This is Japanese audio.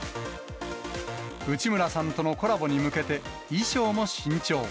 内村さんとのコラボに向けて、衣装も新調。